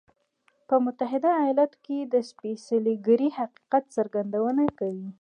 په متحده ایالتونو کې د سپېڅلې کړۍ حقیقت څرګندونه کوي.